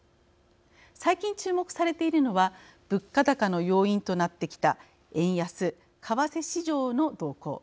最近注目されているのは物価高の要因となってきた円安・為替市場の動向。